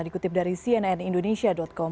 dikutip dari cnn indonesia com